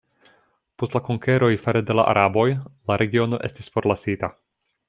Post la konkeroj fare de la araboj la regiono estis forlasita.